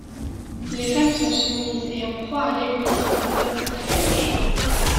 Les femmes sont soumises et en proie à l’égoïsme des hommes patriarches.